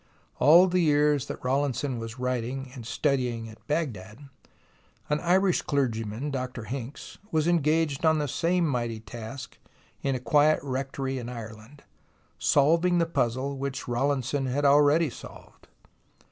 All the years that Rawlinson was writing and studying at Baghdad, an Irish clergyman. Dr. Hincks, was engaged on the same mighty task in a quiet rectory in Ireland, solving the puzzle which Rawlinson had already solved.